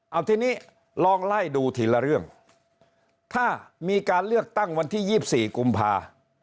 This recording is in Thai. เอาทีนี้ลองไล่ดูทีละเรื่องถ้ามีการเลือกตั้งวันที่๒๔กุมภา